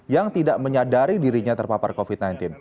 yang tidak menyadari dirinya terpapar covid sembilan belas